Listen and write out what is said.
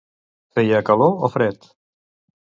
Feia calor o fred?